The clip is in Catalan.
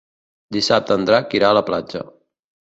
Dissabte en Drac irà a la platja.